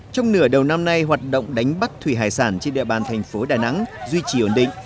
trong nửa đầu năm nay hoạt động đánh bắt thủy hải sản trên địa bàn thành phố đà nẵng duy trì ổn định